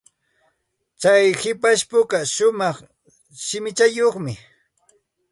Tsay hipashpuka shumaq shimichayuqmi.